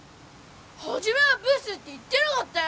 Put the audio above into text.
初めはブスって言ってなかったよ